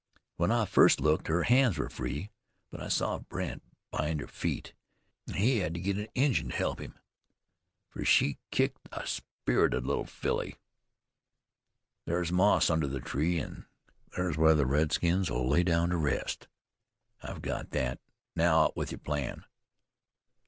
When I first looked, her hands were free; but I saw Brandt bind her feet. An' he had to get an Injun to help him, fer she kicked like a spirited little filly. There's moss under the tree an' there's where the redskins'll lay down to rest." "I've got that; now out with your plan."